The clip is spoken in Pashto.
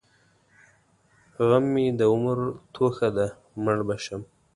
غم مې د عمر توښه ده؛ مړ به شم.